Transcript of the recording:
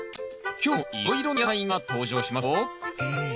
今日もいろいろな野菜が登場しますよ。